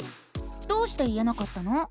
どうして言えなかったの？